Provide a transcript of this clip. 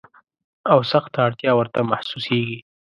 او سخته اړتیا ورته محسوسیږي.